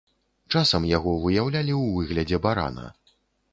Часам, яго выяўлялі ў выглядзе барана.